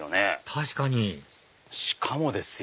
確かにしかもですよ。